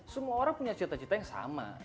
semua orang punya cita cita yang sama